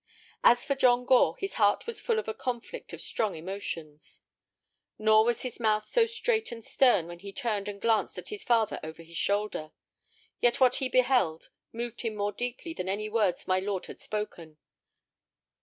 As for John Gore, his heart was full of a conflict of strong emotions. Nor was his mouth so straight and stern when he turned and glanced at his father over his shoulder. Yet what he beheld moved him more deeply than any words my lord had spoken.